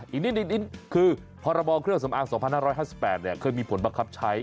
อีกนิดคือพรบเครื่องสำอาง๒๕๕๘เคยมีผลบังคับใช้